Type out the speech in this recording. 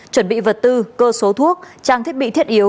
chuẩn bị vật tư cơ số thuốc trang thiết bị thiết yếu